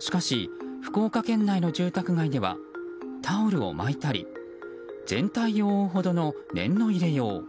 しかし、福岡県内の住宅街ではタオルを巻いたり全体を覆うほどの念の入れよう。